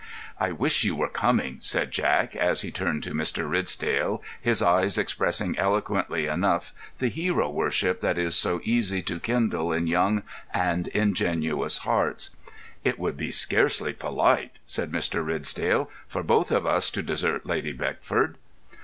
"I wish you were coming," said Jack, and as he turned to Mr. Ridsdale his eyes expressed eloquently enough the hero worship that is so easy to kindle in young and ingenuous hearts. "It would be scarcely polite," said Mr. Ridsdale, "for both of us to desert Lady Beckford."